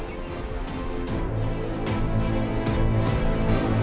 untuk mempertimbangkan wilayah pak rousei